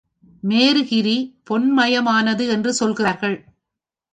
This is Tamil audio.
மேரு கிரி பொன்மயமானது என்று சொல்கிறார்கள்.